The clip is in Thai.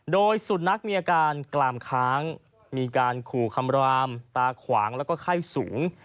โดยสุนัขมีอาการกลามค้างมีการขู่คำรามตาขวางแล้วก็ไข้สูง